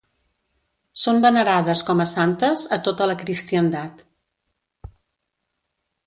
Són venerades com a santes a tota la cristiandat.